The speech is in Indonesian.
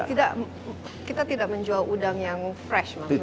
kita tidak menjual udang yang fresh maksudnya